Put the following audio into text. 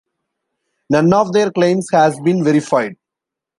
None of their claims has been verified.